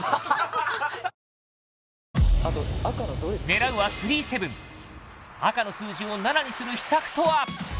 狙うはスリーセブン赤の数字を７にする秘策とは？